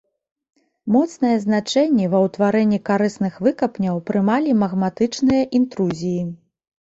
Моцнае значэнне ва ўтварэнні карысных выкапняў прымалі магматычныя інтрузіі.